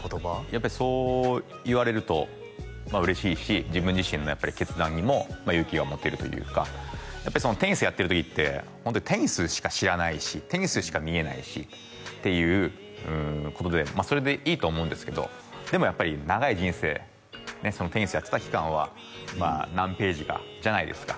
やっぱりそう言われると嬉しいし自分自身の決断にも勇気が持てるというかやっぱりテニスやってる時ってホントにテニスしか知らないしテニスしか見えないしっていうことでそれでいいと思うんですけどでもやっぱり長い人生ねテニスやってた期間は何ページかじゃないですか